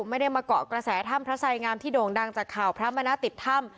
ไม่ได้มาเกาะกระแสถ้ำพระทรายงามที่โดนดังจากข่าวพระมณติธรรม